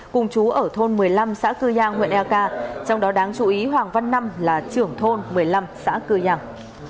cùng chú ở thôn một mươi năm xã cư giang huyện erk trong đó đáng chú ý hoàng văn nam là trưởng thôn một mươi năm xã cư giang